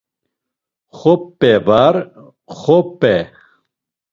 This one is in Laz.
Xop̌e var, Xop̌e.